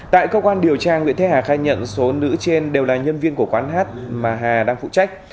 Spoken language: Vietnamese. tại cơ quan điều tra nguyễn thế hà khai nhận số nữ trên đều là nhân viên của quán hát mà hà đang phụ trách